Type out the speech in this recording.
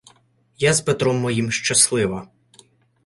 Я з Петром моїм щаслива